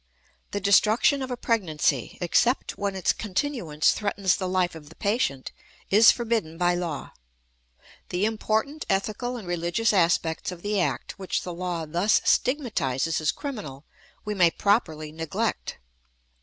The destruction of a pregnancy, except when its continuance threatens the life of the patient, is forbidden by law. The important ethical and religious aspects of the act which the law thus stigmatizes as criminal we may properly neglect.